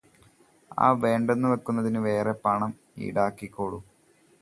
ആ വേണ്ടെന്നുവെക്കുന്നതിന് വേറെ പണം ഈടാക്കിക്കോളു